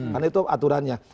karena itu aturannya